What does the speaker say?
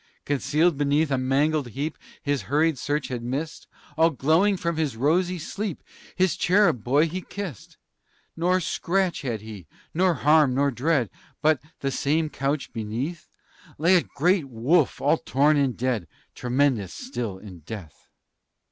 Concealed beneath a mangled heap His hurried search had missed, All glowing from his rosy sleep, His cherub boy he kissed. Nor scratch had he, nor harm, nor dread, But, the same couch beneath, Lay a great wolf, all torn and dead Tremendous still in death.